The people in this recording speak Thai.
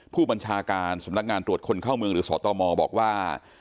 ผู้บัญชาการสำนักงานตรวจคนเข้าเมืองหรือสตมบอกว่า